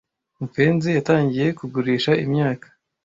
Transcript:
Mupenzi yatangiye kugurisha imyaka